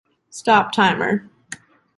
Stop timer.